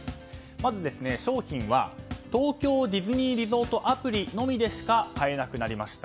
まず、商品は東京ディズニーリゾートアプリのみでしか買えなくなりました。